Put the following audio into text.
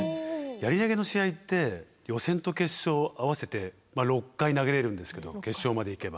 やり投げの試合って予選と決勝合わせて６回投げれるんですけど決勝まで行けば。